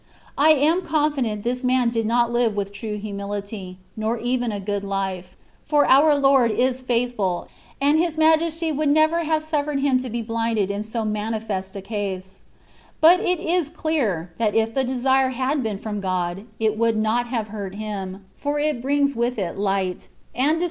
I am confident this man did not live with true humiUty, ;ior even a good life, for our Lord is faithful, and His Majesty would never have suffered him to be blinded in so manifest a case ; but it is clear, that if the desire had been from God, it would not have hurt him, for it brings with it light, and dis H 98 THE WAY OP PERFECTION.